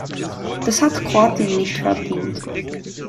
Das hat Kroatien nicht verdient.